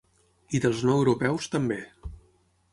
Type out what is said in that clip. I dels no europeus, també.